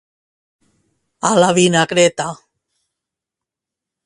A la vinagreta.